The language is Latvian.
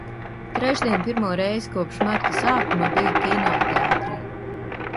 Trešdien pirmo reizi kopš marta sākuma biju kinoteātrī.